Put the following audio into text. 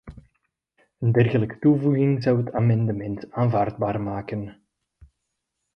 Een dergelijke toevoeging zou het amendement aanvaardbaar maken.